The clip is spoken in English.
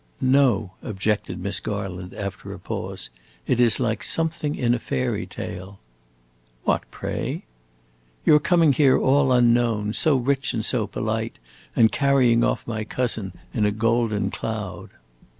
"No," objected Miss Garland, after a pause, "it is like something in a fairy tale." "What, pray?" "Your coming here all unknown, so rich and so polite, and carrying off my cousin in a golden cloud."